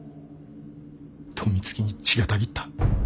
富突に血がたぎった。